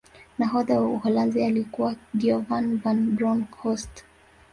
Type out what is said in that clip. nahodha wa uholanzi alikuwa giovan van bronkhost